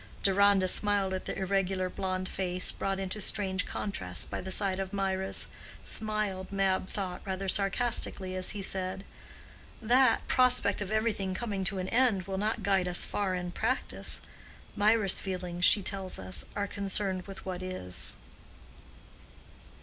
Deronda smiled at the irregular, blonde face, brought into strange contrast by the side of Mirah's—smiled, Mab thought, rather sarcastically as he said, "That prospect of everything coming to an end will not guide us far in practice. Mirah's feelings, she tells us, are concerned with what is."